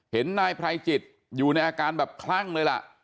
เห็นนายไพรจิตอยู่ในอาการแบบคลั่งเลยล่ะ